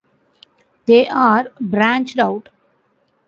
They are branched out.